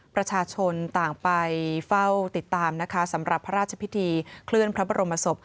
ประชาชนต่างไปเฝ้าติดตามนะคะสำหรับพระราชพิธีเคลื่อนพระบรมศพ